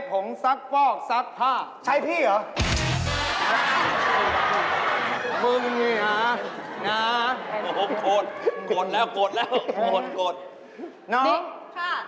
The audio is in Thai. ต้องการตัวช่วยใช่ไหมในการซักผ้า